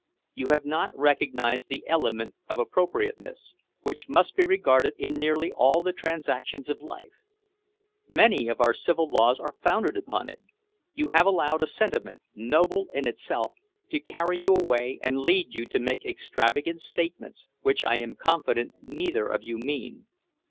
You have not recognized the element of appropriateness, which must be regarded in nearly all the transactions of life; many of our civil laws are founded upon it. You have allowed a sentiment, noble in itself, to carry you away and lead you to make extravagant statements which I am confident neither of you mean.